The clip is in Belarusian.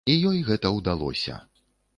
І ёй гэта ўдалося.